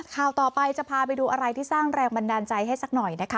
ข่าวต่อไปจะพาไปดูอะไรที่สร้างแรงบันดาลใจให้สักหน่อยนะคะ